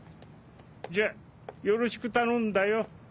じゃよろしく頼んだよ。